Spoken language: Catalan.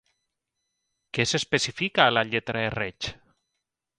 Què s'especifica a la lletra de Reig?